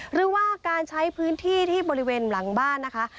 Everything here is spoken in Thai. หรือว่าการใช้พื้นที่ที่บริเวณหลังบ้านนะคะ